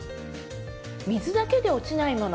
水だけで落ちないもの